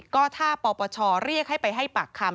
ก็ถ้าปปชเรียกให้ไปให้ปากคำ